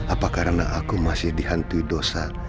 apa karena aku masih dihantui dosa